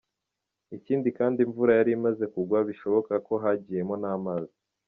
Ikindi kandi imvura yari imaze kugwa bishoboka ko hagiyemo n’amazi.